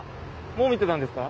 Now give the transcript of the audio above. もう見てたんですか？